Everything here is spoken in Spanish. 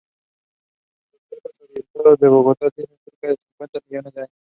Los cerros orientales de Bogotá tienen cerca de cincuenta millones de años.